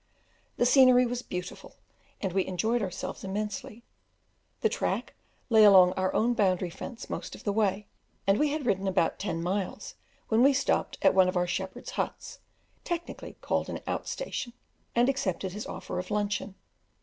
The scenery was beautiful, and we enjoyed ourselves immensely. The track lay along our own boundary fence most of the way, and we had ridden about ten miles, when we stopped at one of our shepherds' huts, technically called an out station, and accepted his offer of luncheon.